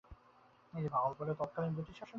তিনি ভাওয়ালপুরে তৎকালীন ব্রিটিশ শাসনের বিরোধিতা করেন।